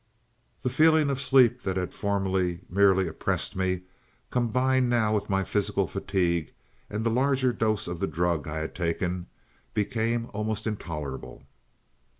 "The feeling of sleep that had formerly merely oppressed me, combined now with my physical fatigue and the larger dose of the drug I had taken, became almost intolerable.